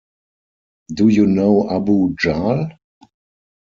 Do you know Abu Jahl?